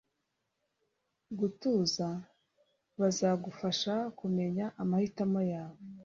gutuza bazagufasha kumenya amahitamo yawe